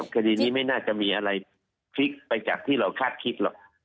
คดีนี้ไม่น่าจะมีอะไรพลิกไปจากที่เราคาดคิดหรอก